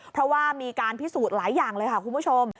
เพราะว่ามีการพิสูจน์หลายอย่างเลยค่ะคุณผู้ชม